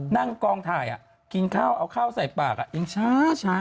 นั่งกองถ่ายกินข้าวเอาข้าวใส่ปากยังช้า